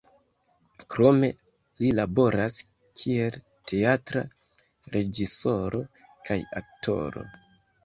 Krome li laboras kiel teatra reĝisoro kaj aktoro.